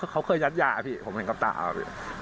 เขาเคยยัดยาพี่ผมเห็นกับตาครับพี่